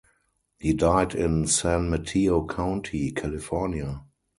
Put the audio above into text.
He died in San Mateo County, California.